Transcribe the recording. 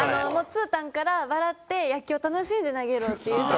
つーたんから笑って野球を楽しんで投げろっていう風に。